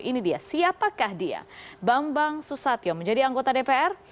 ini dia siapakah dia bambang susatyo menjadi anggota dpr